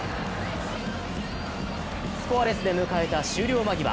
スコアレスで迎えた終了間際。